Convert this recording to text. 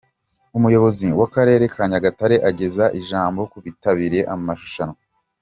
Umuyobozi w’akarere ka Nyagatare ageza ijambo ku bitabiriye amarushanwa.